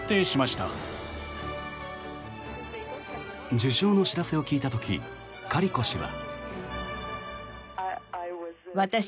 受賞の知らせを聞いた時カリコ氏は。